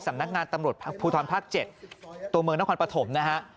สำนักงานตำรวจภูทรภาค๗ตัวเมืองนครปฐมนะฮะ